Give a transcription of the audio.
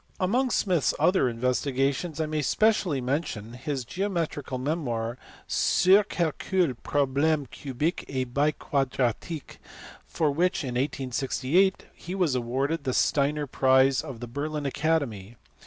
Among Smith s other investigations I may specially mention his geometrical memoir Sur quelques problemes cubiques el biquadratiques, for which in 1868 he was awarded the Steiner prize of the Berlin Academy.